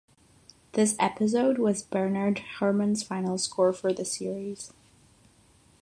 This episode was Bernard Herrmann's final score for the series.